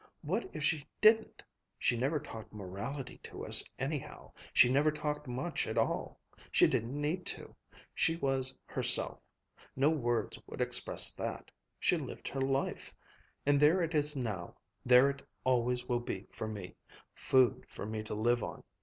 What if she didn't! She never talked morality to us, anyhow. She never talked much at all. She didn't need to. She was herself. No words would express that. She lived her life. And there it is now, there it always will be for me, food for me to live on.